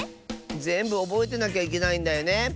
ぜんぶおぼえてなきゃいけないんだよね。